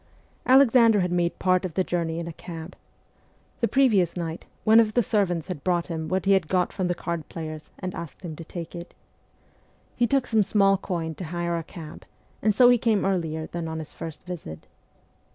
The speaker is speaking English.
Alexander had made part of the journey in a cab. The previous night, one of the servants had brought him what he had got from the card players and asked him to take it. He took some small coin to hire a cab, and so he came earlier than on his first visit.